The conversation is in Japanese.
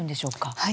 はい。